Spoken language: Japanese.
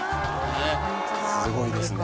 すごいですね。